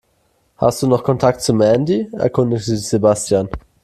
Hast du noch Kontakt zu Mandy?, erkundigte sich Sebastian.